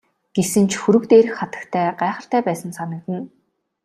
Гэсэн ч хөрөг дээрх хатагтай гайхалтай байсан санагдана.